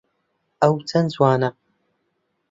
ئەو چەند جوانە!